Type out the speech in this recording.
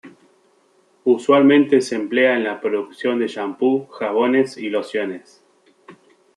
Usualmente se emplea en la producción de champú, jabones y lociones.